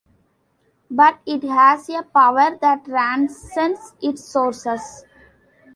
But it has a power that transcends its sources.